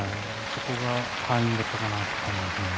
そこが敗因かなと思います。